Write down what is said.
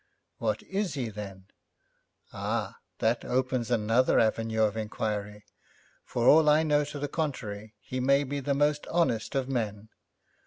'What is he, then?' 'Ah, that opens another avenue of enquiry. For all I know to the contrary, he may be the most honest of men.